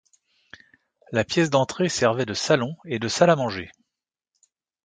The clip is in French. La pièce d’entrée servait de salon et de salle à manger.